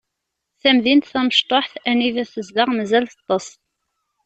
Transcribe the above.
Tamdint tamecṭuḥt anida tezdeɣ mazal teṭṭes.